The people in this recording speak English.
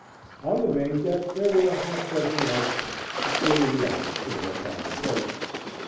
On the main deck there were a half dozen lifeboats securely lashed their proper places.